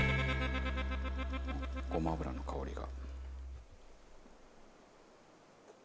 ごま油の香りが。